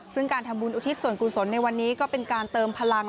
ซึ่งการทำบุญอุทิศส่วนกุศลในวันนี้ก็เป็นการเติมพลัง